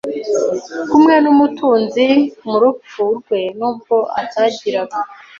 kumwe n umutunzi mu rupfu rwe nubwo atagiraga